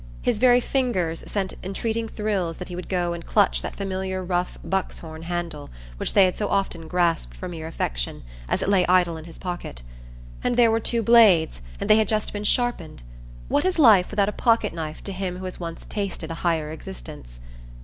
His very fingers sent entreating thrills that he would go and clutch that familiar rough buck's horn handle, which they had so often grasped for mere affection, as it lay idle in his pocket. And there were two blades, and they had just been sharpened! What is life without a pocket knife to him who has once tasted a higher existence?